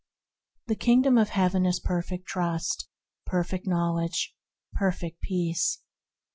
The Kingdom of Heaven is perfect trust, perfect knowledge, perfect peace.